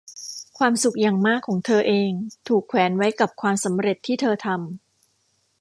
ความสุขอย่างมากของเธอเองถูกแขวนไว้กับความสำเร็จที่เธอทำ